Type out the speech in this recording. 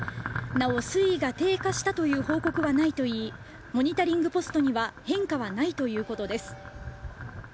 なお水位が低下したという報告はないといいモニタリングポストには変化がないということです。